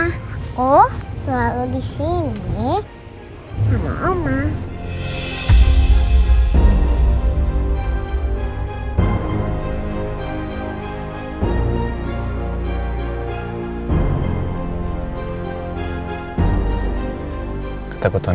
aku selalu di sini sama allah